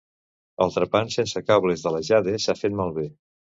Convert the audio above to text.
El trepant sense cables de la Jade s'ha fet malbé.